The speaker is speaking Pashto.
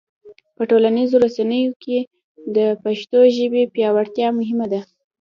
په ټولنیزو رسنیو کې د پښتو ژبې پیاوړتیا مهمه ده.